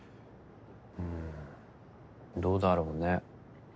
うぅどうだろうね。